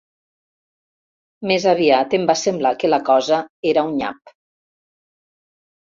Més aviat em va semblar que la cosa era un nyap.